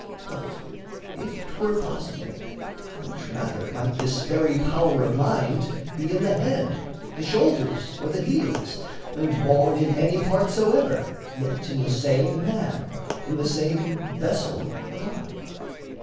But if 'twere possible, Much rather might this very power of mind Be in the head, the shoulders or the heels, And, born in any part soever, yet In the same man, in the same vessel abide.